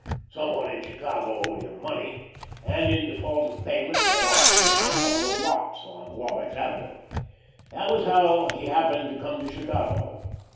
Some one in Chicago owed him money, and in default of payment had offered him a couple of lots on Wabash Avenue. That was how he happened to come to Chicago.